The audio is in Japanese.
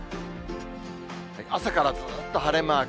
朝からずーっと晴れマーク。